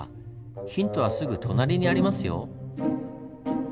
ヒントはすぐ隣にありますよ。